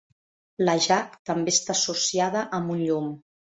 La Jack també està associada amb un llum.